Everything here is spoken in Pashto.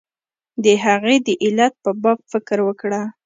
د هغې د علت په باب فکر وکړه.